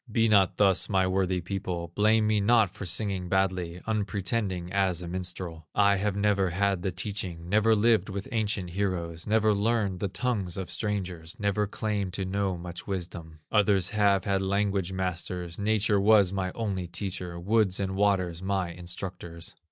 Be not thus, my worthy people, Blame me not for singing badly, Unpretending as a minstrel. I have never had the teaching, Never lived with ancient heroes, Never learned the tongues of strangers, Never claimed to know much wisdom. Others have had language masters, Nature was my only teacher, Woods and waters my instructors.